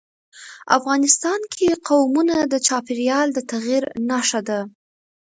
افغانستان کې قومونه د چاپېریال د تغیر نښه ده.